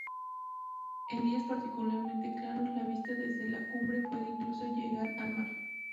En días particularmente claros, la vista desde la cumbre puede incluso llegar al mar.